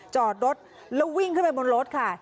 จอดรถแล้ววิ่งขึ้นไปบนรถค่ะ